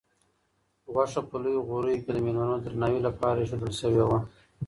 غوښه په لویو غوریو کې د مېلمنو د درناوي لپاره ایښودل شوې وه.